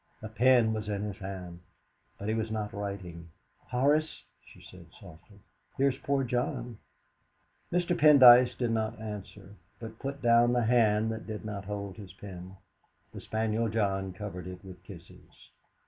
A pen was in his hand, but he was not writing. "Horace," she said softly, "here is poor John!" Mr. Pendyce did not answer, but put down the hand that did not hold his pen. The spaniel John covered it with kisses.